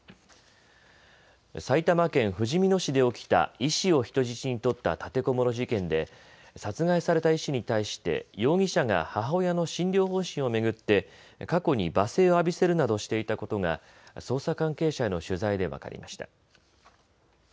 埼玉県ふじみ野市で起きた医師を人質に取った立てこもり事件で殺害された医師に対して容疑者が母親の診療方針を巡って過去に罵声を浴びせるなどしていたことが捜査関係者への取材で分かりました。